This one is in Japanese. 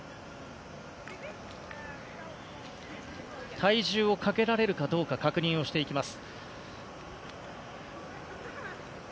体重をかけられるかどうか確認をしていきます。